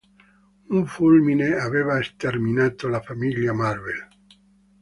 Un fulmine aveva sterminato la famiglia Marvel.